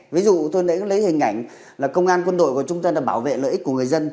ví dụ tôi lấy hình ảnh là công an quân đội của chúng ta bảo vệ lợi ích của người dân